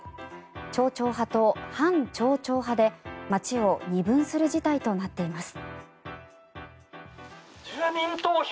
町長派と反町長派で町を二分する事態となっています。